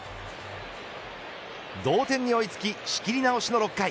同点に追い付き仕切り直しの６回。